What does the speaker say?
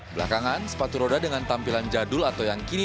belakangan sepatu roda dengan tampilan jadul atau yang kini